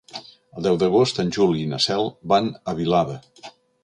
El deu d'agost en Juli i na Cel van a Vilada.